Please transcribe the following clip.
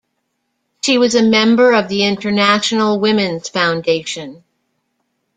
She was a member of the International Women's Foundation.